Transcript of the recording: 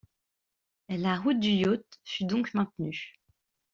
La route du yacht fut donc maintenue.